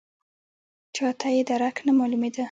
چاته یې درک نه معلومېده.